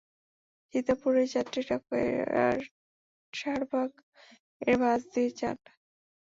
সিতাপুরের যাত্রীরা, কেয়সারবাগ এর বাস দিয়ে যান।